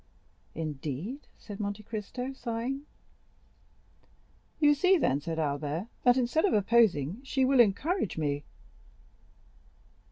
'" "Indeed?" said Monte Cristo, sighing. "You see, then," said Albert, "that instead of opposing, she will encourage me."